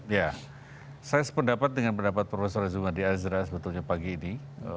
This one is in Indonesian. ya saya sependapat dengan pendapat prof zumadi azra sebetulnya pagi ini